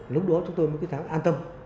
lúc đó chúng tôi mới cảm thấy an tâm